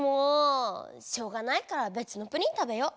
しょうがないからべつのプリン食べよ。